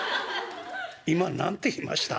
今何て言いました？」。